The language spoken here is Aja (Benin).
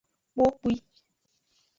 Kpukpwi.